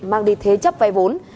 mang đi thế chấp vai vốn